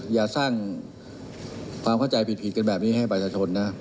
อย่าสร้างความเข้าใจผิดกันแบบนี้ให้ประชาชนนะ